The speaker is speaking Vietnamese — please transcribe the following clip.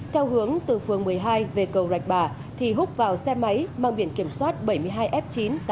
theo hướng từ phương một mươi hai về cầu rạch bà thì húc vào xe máy mang biển kiểm soát bảy mươi hai f chín tám nghìn hai trăm chín mươi bảy